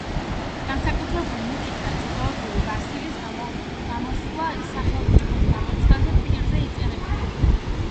განსაკუთრებული ნიჭით დაჯილდოებული ვასილის გამოსვლა სახელმწიფო გამოცდაზე ფირზე იწერებოდა.